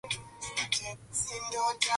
Ugonjwa wa kuhara sana